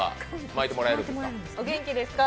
お元気ですか？